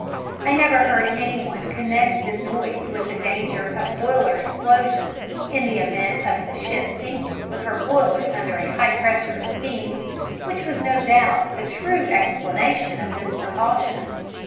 I never heard any one connect this noise with the danger of boiler explosion, in the event of the ship sinking with her boilers under a high pressure of steam, which was no doubt the true explanation of this precaution.